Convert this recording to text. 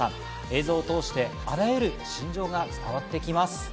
映像を通してあらゆる心情が伝わってきます。